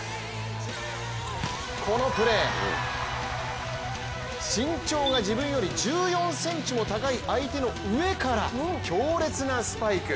このプレー、身長が自分より１４ｃｍも高い相手の上から強烈なスパイク！